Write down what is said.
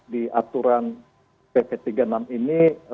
di aturan pp tiga puluh enam ini